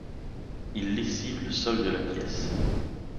ils lessivent le sol de la pièce